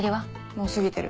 もう過ぎてる。